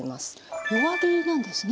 弱火なんですね。